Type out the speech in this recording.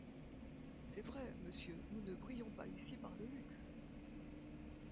C’est vrai, monsieur, nous ne brillons pas ici par le luxe.